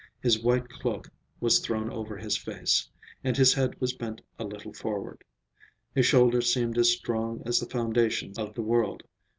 His white cloak was thrown over his face, and his head was bent a little forward. His shoulders seemed as strong as the foundations of the world.